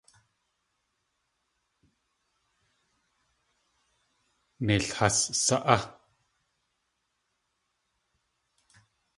Neil has sa.á!